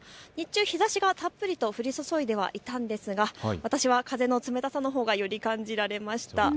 日中日ざしがたっぷりと降り注いでいたんですが私は風の冷たさのほうがより感じられました。